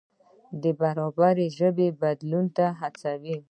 د برابرۍ ژبه بدلون ته هڅوي.